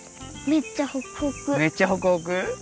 めっちゃほくほく？